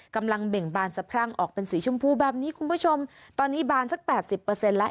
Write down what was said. กำลังเบ่งบานสะพรั่งออกเป็นสีชมพูแบบนี้คุณผู้ชมตอนนี้บานสัก๘๐ละ